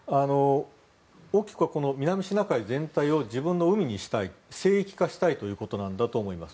大きくは南シナ海全体を自分の海にしたい聖域化したいということなんだと思います。